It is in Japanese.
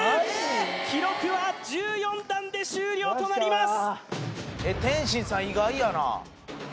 記録は１４段で終了となります